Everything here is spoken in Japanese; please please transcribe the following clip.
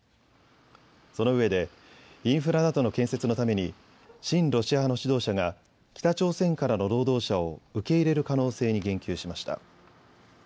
そのうえでインフラなどの建設のために親ロシア派の指導者が北朝鮮からの労働者を受け入れる可能性に言及しました。